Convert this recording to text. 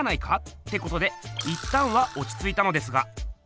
ってことでいったんはおちついたのですが。